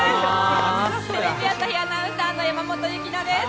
テレビ朝日アナウンサーの山本雪乃です。